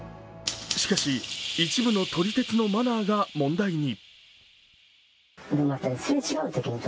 しかし、一部の撮り鉄のマナーが問題に。